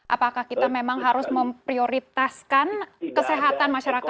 apakah kita memang harus memprioritaskan kesehatan masyarakat